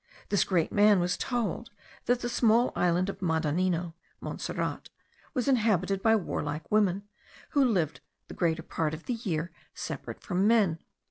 This great man was told, that the small island of Madanino (Montserrat) was inhabited by warlike women, who lived the greater part of the year separate from men.